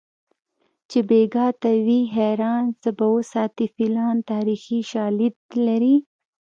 چې بیګا ته وي حیران څه به وساتي فیلان تاریخي شالید لري